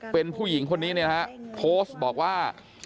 เป็นผู้หญิงคนนี้เนี่ยนะฮะโพสต์บอกว่า